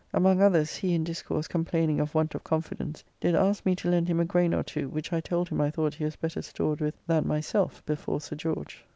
Among others he in discourse complaining of want of confidence, did ask me to lend him a grain or two, which I told him I thought he was better stored with than myself, before Sir George.